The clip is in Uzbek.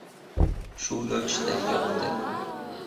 Shu yotishda yotdi.